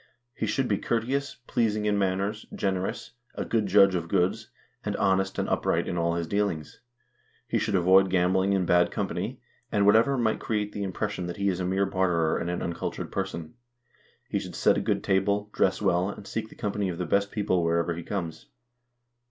He should be courteous, pleasing in manners, generous, a good judge of goods, and honest and upright in all his dealings. He should avoid gambling and bad company, and whatever might create the impres sion that he is a mere barterer and an uncultured person. He should set a good table, dress well, and seek the company of the best people wherever he comes."